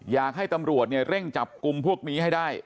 อยากให้ตำรวจเร่งจับกลุ่มพวกนี้ให้ได้